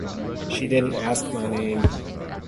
She didn't ask my name.